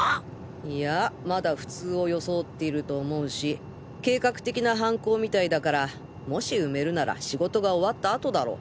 いやまだ普通を装っていると思うし計画的な犯行みたいだからもし埋めるなら仕事が終わったあとだろう。